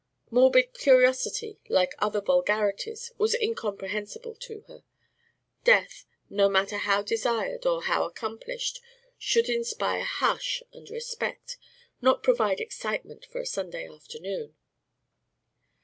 Morbid curiosity, like other vulgarities, was incomprehensible to her. Death, no matter how desired or how accomplished, should inspire hush and respect, not provide excitement for a Sunday afternoon.